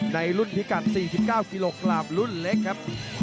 ในรุ่นพิกัด๔๙กิโลกรัมรุ่นเล็กครับ